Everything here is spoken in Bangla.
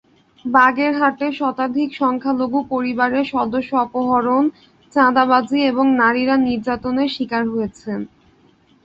বাগেরহাটে শতাধিক সংখ্যালঘু পরিবারের সদস্য অপহরণ, চাঁদাবাজি এবং নারীরা নির্যাতনের শিকার হয়েছেন।